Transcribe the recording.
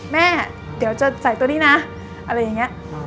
แม่เดี๋ยวจะใส่ตัวนี้นะอะไรอย่างนี้